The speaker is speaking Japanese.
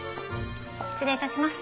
失礼いたします。